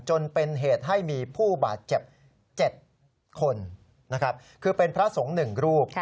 จนเป็นเหตุให้มีผู้บาดเจ็บ๗คนนะครับคือเป็นพระสงฆ์๑รูป